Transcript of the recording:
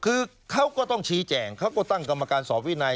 คือเขาก็ต้องชี้แจงเขาก็ตั้งกรรมการสอบวินัย